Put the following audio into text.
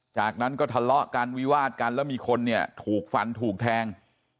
จากนั้นก็ทะเลาะกันวิวาดกันแล้วมีคนเนี่ยถูกฟันถูกแทง